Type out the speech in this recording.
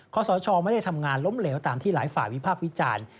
สชไม่ได้ทำงานล้มเหลวตามที่หลายฝ่ายวิพากษ์วิจารณ์